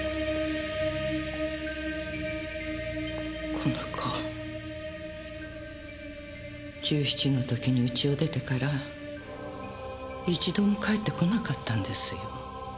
この子１７の時にうちを出てから一度も帰って来なかったんですよ。